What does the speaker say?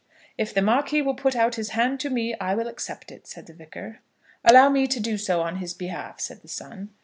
"If the Marquis will put out his hand to me, I will accept it," said the Vicar. "Allow me to do so on his behalf," said the son.